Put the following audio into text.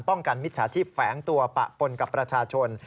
กันมิจฉาชีพแฝงตัวปะปนกับประชาชน